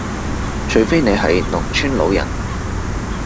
除非你係農村老人